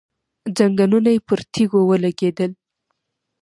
ځنګنونه يې پر تيږو ولګېدل.